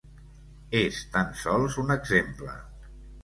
És tan sols un exemple.